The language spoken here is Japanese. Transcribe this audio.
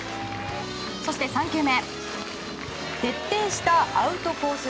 そして３球目徹底したアウトコース